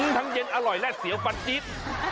ทั้งเย็นอร่อยและเสียวฟันจิ๊ด